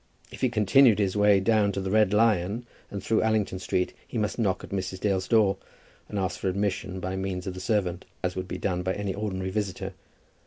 If he continued his way down by the "Red Lion" and through Allington Street, he must knock at Mrs. Dale's door, and ask for admission by means of the servant, as would be done by any ordinary visitor.